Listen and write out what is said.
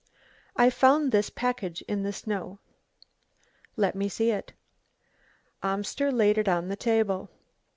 "I found this package in the snow." "Let me see it." Amster laid it on the table.